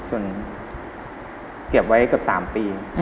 เก็บไว้เกือบ๓ปี